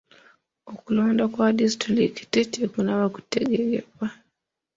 Okulonda kwa disitulikiti tekunnaba kutegekebwa.